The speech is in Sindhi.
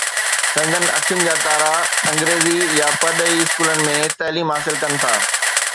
سندن اکين جا تارا انگريزي يا پرڏيهي اسڪولن ۾ تعليم حاصل ڪن ٿا.